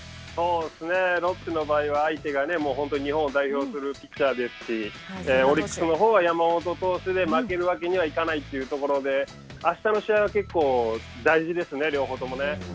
ロッテの場合は相手がもう本当に日本を代表するピッチャーですしオリックスのほうは山本投手で負けるわけにはいかないというところであしたの試合は結構、大事ですね、両方ともね。